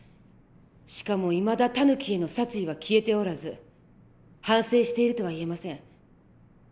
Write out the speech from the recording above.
しかもいまだタヌキへの殺意は消えておらず反省しているとは言えません。